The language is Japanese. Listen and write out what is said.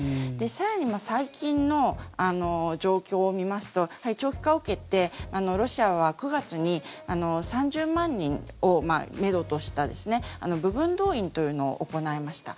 更に最近の状況を見ますと長期化を受けてロシアは９月に３０万人をめどとした部分動員というのを行いました。